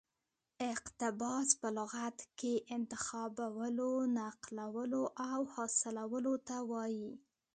اقتباس په لغت کښي انتخابولو، نقلولو او حاصلولو ته وايي.